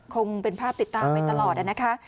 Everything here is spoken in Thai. คงเป็นภาพติดตามไปตลอดนะคะ